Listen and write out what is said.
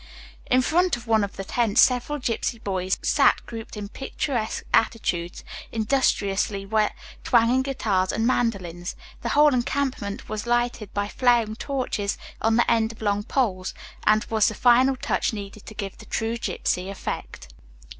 In front of one of the tents several gypsy boys sat grouped in picturesque attitudes, industriously twanging guitars and mandolins. The whole encampment was lighted by flaring torches on the ends of long poles, and was the final touch needed to give the true gypsy effect.